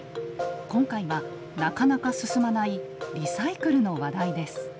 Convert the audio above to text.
今回はなかなか進まないリサイクルの話題です。